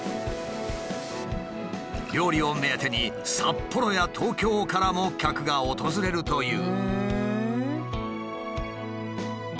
料理を目当てに札幌や東京からも客が訪れるという。